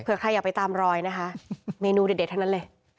เพื่อใครอยากไปตามรอยนะคะเมนูเด็ดทั้งนั้นเลย